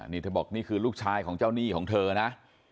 นี่เธอบอกนี่คือลูกชายของเจ้าหนี้ของเธอนะ